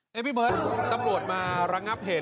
นี่พี่เบิร์ตตำรวจมาระงับเหตุ